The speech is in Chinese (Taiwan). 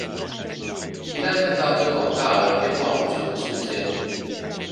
一旦看到這廣大而變化無窮的世間